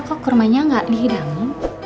kok kurmanya gak dihidangi